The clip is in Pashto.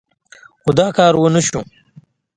خو دا کار ونه شو.